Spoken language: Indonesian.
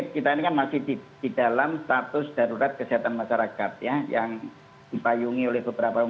kalau kita masih